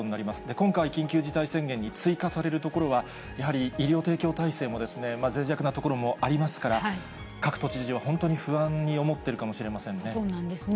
今回、緊急事態宣言に追加される所は、やはり、医療提供体制もぜい弱な所もありますから、各都知事は本当に不安に思ってるかもしれませんね。